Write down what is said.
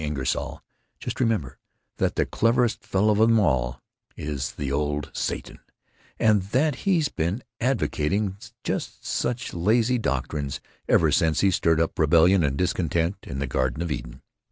Ingersoll, just remember that the cleverest fellow of them all is the old Satan, and that he's been advocating just such lazy doctrines ever since he stirred up rebellion and discontent in the Garden of Eden!